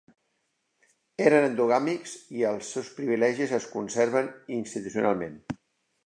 Eren endogàmics i els seus privilegis es conservaven institucionalment.